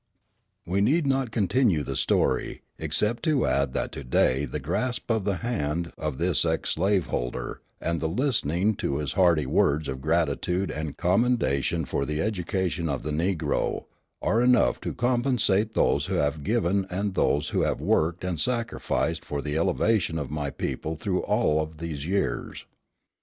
We need not continue the story, except to add that to day the grasp of the hand of this ex slaveholder, and the listening to his hearty words of gratitude and commendation for the education of the Negro, are enough to compensate those who have given and those who have worked and sacrificed for the elevation of my people through all of these years.